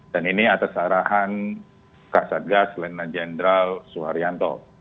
dan ini atas arahan kak satgas lena jendral suharyanto